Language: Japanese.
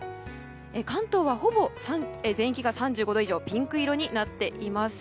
関東は、ほぼ全域が３５度以上のピンク色になっています。